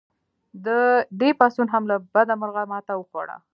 دې پاڅون هم له بده مرغه ماته وخوړه.